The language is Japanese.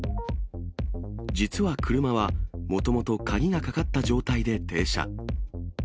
実は車は、もともと鍵がかかった状態で停車。